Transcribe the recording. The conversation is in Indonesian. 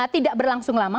tidak berlangsung lama